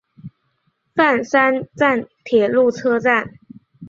饭山站铁路车站。